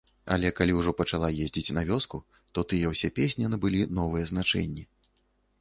Але калі ўжо пачала ездзіць на вёску, то тыя ўсе песні набылі новыя значэнні.